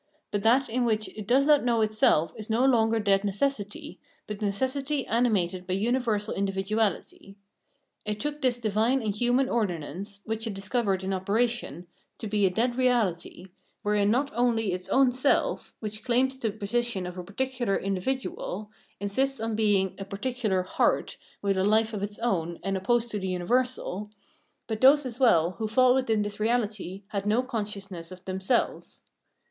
But that in which it does not know itself is no longer dead necessity, but necessity animated by uni versal individuality. It took this divine and human ordinance, which it discovered in operation, to be a dead reahty, wherein not only its own self — which claims the position of a particular individual, insists on being a particular " heart " with a life of its own and opposed to the universal — but those as well who fall within this reality had no consciousness of themselves.